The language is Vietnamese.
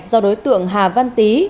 do đối tượng hà văn tý